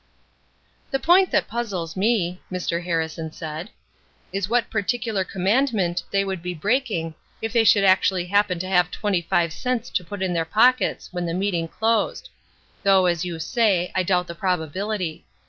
"The point that puzzles me," Mr. Harrison said, "is what particular commandment would they be breaking if they should actually happen to have twenty five cents to put in their pockets when the meeting closed; though, as you say, I doubt the probability.